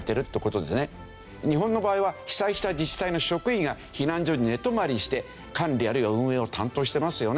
日本の場合は被災した自治体の職員が避難所に寝泊まりして管理あるいは運営を担当してますよね。